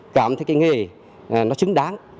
cảm thấy cái nghề nó xứng đáng